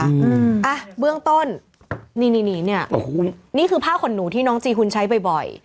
เอ้าเบื้องต้นนี่เนี่ยนี้คือผ้าขนหนูที่น้องจีฮุนใช้บ่อย